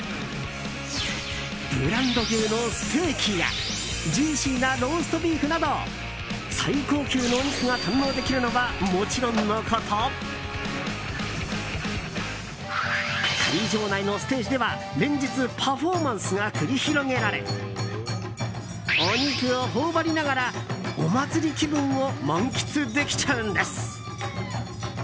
ブランド牛のステーキやジューシーなローストビーフなど最高級のお肉が堪能できるのはもちろんのこと会場内のステージでは、連日パフォーマンスが繰り広げられお肉を頬張りながらお祭り気分を満喫できちゃうんです。